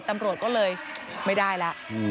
ตำรวจก็เลยไม่ได้แล้ว